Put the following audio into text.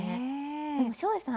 でも照英さん